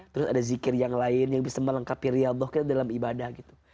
terus ada zikir yang lain yang bisa melengkapi riau kita dalam ibadah gitu